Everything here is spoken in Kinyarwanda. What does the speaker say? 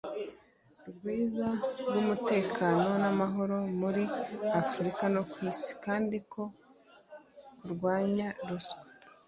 rwiza rw umutekano n amahoro muri afurika no ku isi kandi ko kurwanya ruswa